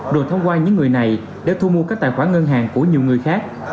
rồi thông qua những người này để thu mua các tài khoản ngân hàng của nhiều người khác